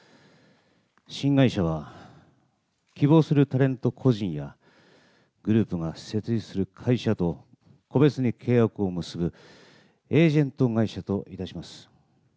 新会社は、希望するタレント個人やグループが設立する会社と個別に契約を結ぶエージェント会社といたします。